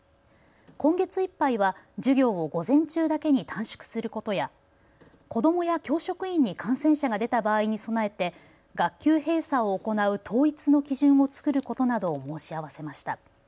今月いっぱいは授業を午前中だけに短縮することや子どもや教職員に感染者が出た場合に備えて学級閉鎖を行う統一の基準を作ることなどを申し合わせました。